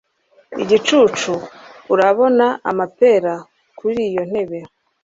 Igicucu Urabona amapera kuri iyo ntebe